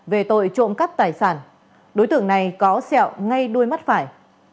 về tội trộm cắp tài sản đối tượng này có sẹo ngay đuôi mắt phải